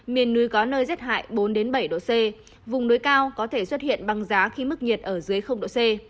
miền núi có nơi rét hại bốn bảy độ c vùng núi cao có thể xuất hiện băng giá khi mức nhiệt ở dưới độ c